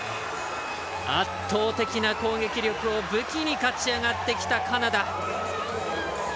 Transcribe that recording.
圧倒的な攻撃力を武器に勝ち上がってきたカナダ。